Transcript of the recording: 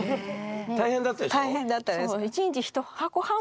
大変だったでしょ？